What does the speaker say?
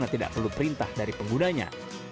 karena tidak perlu perintah dari penggunanya